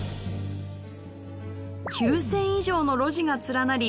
９，０００以上の路地が連なり